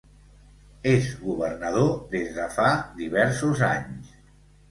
És governador des de fa diversos anys.